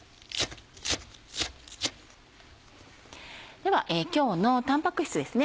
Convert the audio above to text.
では今日のタンパク質ですね。